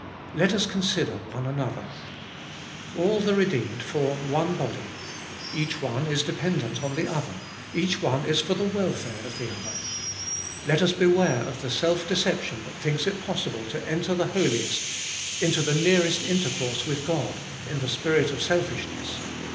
Let us consider one another. All the redeemed form one body. Each one is dependent on the other, each one is for the welfare of the other. Let us beware of the self deception that thinks it pos sible to enter the Holiest, into the nearest intercourse with God, in the spirit of selfishness.